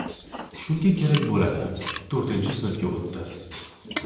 Shunga kerak boʻladi. Toʻrtinchi sinfga oʻtdi…